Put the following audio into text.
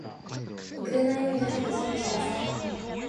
遅れないように早く準備しなさい